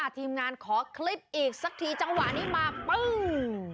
ทีมงานขอคลิปอีกสักทีจังหวะนี้มาปึ้ง